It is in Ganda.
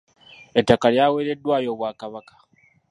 Ettaka lyaweereddwayo Obwakabaka.